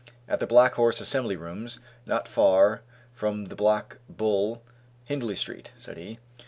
"At the Black Horse Assembly Rooms, not far from the Black Bull, Hindley street," said he.